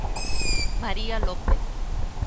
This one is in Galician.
María López.